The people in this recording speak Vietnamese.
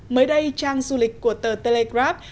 mới đây trang du lịch của tờ telegraph